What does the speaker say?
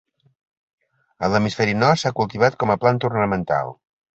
A l'hemisferi nord s'ha cultivat com a planta ornamental.